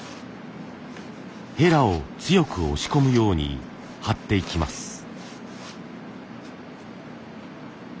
ヘラを強く押し込むように貼っていきます。